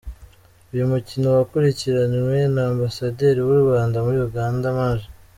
Uyu mukino wakurikiranywe na Ambasaderi w’u Rwanda muri Uganda, Maj.